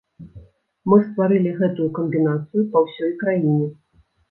Мы стварылі гэтую камбінацыю па ўсёй краіне.